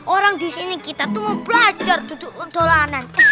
orang disini kita tuh mau belajar tutup tolanan